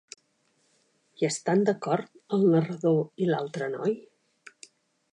Hi estan d'acord el narrador i l'altre noi?